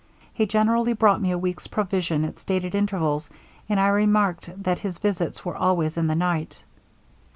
He generally brought me a week's provision, at stated intervals, and I remarked that his visits were always in the night.